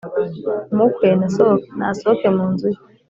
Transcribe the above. Umukwe nasohoke mu nzu ye,